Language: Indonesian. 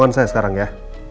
ternyata sudah kan oke